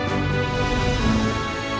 saya ingin berterima kasih kepada bapak